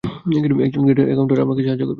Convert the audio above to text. একজন gate attendant আপনাকে সাহায্য করবে।